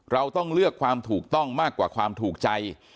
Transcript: เราต้องเลือกความถูกต้องมากกว่าความถูกใจ